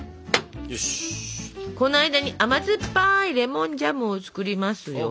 この間に甘酸っぱいレモンジャムを作りますよ。